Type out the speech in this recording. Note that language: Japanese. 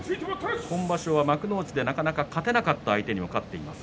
今場所は幕内でなかなか勝てなかった相手に勝っています。